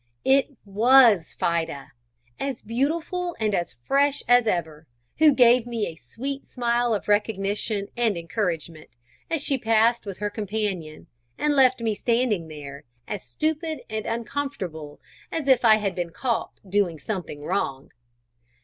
It was Fida; as beautiful and as fresh as ever, who gave me a sweet smile of recognition and encouragement as she passed with her companion, and left me standing there as stupid and uncomfortable as if I had been caught doing something wrong.